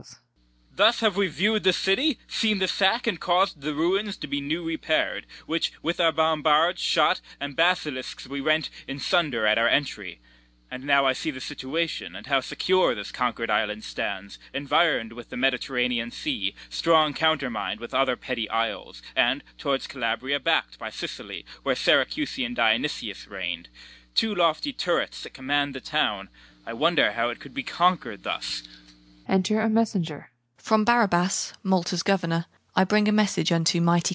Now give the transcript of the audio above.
CALYMATH. Thus have we view'd the city, seen the sack, And caus'd the ruins to be new repair'd, Which with our bombards' shot and basilisk[s] We rent in sunder at our entry: And, now I see the situation, And how secure this conquer'd island stands, Environ'd with the Mediterranean sea, Strong countermin'd with other petty isles, And, toward Calabria, back'd by Sicily (Where Syracusian Dionysius reign'd), Two lofty turrets that command the town, I wonder how it could be conquer'd thus.